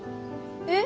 えっ？